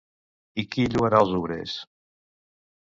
I qui lloarà els obrers?